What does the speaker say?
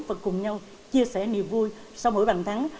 và cùng nhau chia sẻ niềm vui sau mỗi bàn thắng